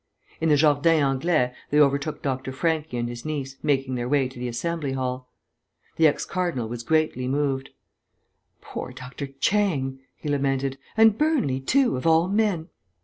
In the Jardin Anglais they overtook Dr. Franchi and his niece, making their way to the Assembly Hall. The ex cardinal was greatly moved. "Poor Dr. Chang," he lamented, "and Burnley too, of all men!